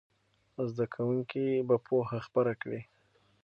زده کوونکي به پوهه خپره کړي.